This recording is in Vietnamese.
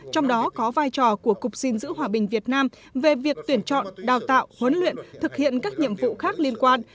trong đó có vai trò của cục xin giữ hòa bình việt nam về việc tuyển chọn đào tạo huấn luyện thực hiện các nhiệm vụ khác liên quan